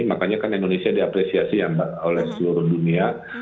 makanya kan indonesia diapresiasi ya mbak oleh seluruh dunia